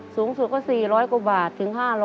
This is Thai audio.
สูงสุดก็๔๐๐กว่าบาทถึง๕๐๐